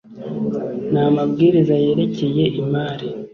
n amabwiriza yerekeye imari